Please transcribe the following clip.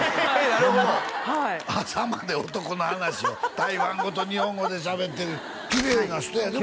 なるほどはい朝まで男の話を台湾語と日本語でしゃべってるきれいな人やね